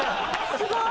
すごい。